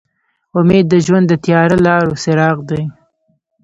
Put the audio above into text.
امید د ژوند د تیاره لارو څراغ دی.